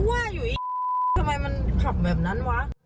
ว่าอยู่อีกทำไมมันขับแบบนั้นวะ